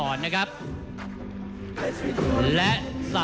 ท่านแรกครับจันทรุ่ม